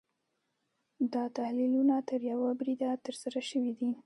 دا تحلیلونه تر یوه بریده ترسره شوي دي.